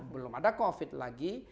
belum ada covid lagi